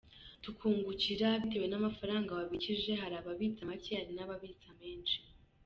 Tukungukira bitewe n’amafaranga wabikije, hari ababitsa make hari n’ababitsa menshi.